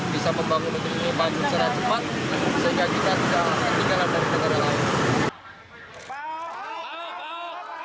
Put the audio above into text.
bisa membangun negeri ini maju secara cepat sehingga kita tidak ketinggalan dari negara lain